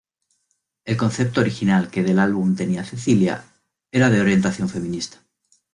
El concepto original que del álbum tenía Cecilia era de orientación feminista.